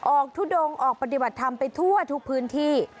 ทุดงออกปฏิบัติธรรมไปทั่วทุกพื้นที่